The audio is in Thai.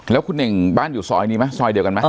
แล้วคุณเน่งบ้านอยู่ซอยนี้ไหมซอยเดียวกันไหม